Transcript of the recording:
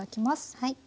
はい。